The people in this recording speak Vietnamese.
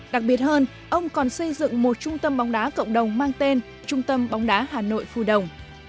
đặc biệt hơn ông còn xây dựng một trung tâm bóng đá cộng đồng mang tên trung tâm bóng đá hà nội phù đồng